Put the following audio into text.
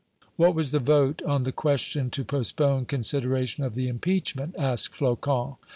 "What was the vote on the question to postpone consideration of the impeachment?" asked Flocon.